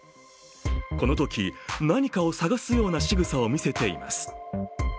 このとき、何かを探すようなしぐさを見せています。